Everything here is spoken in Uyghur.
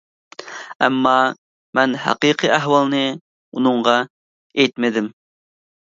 ئەمما مەن ھەقىقىي ئەھۋالنى ئۇنىڭغا ئېيتمىدىم.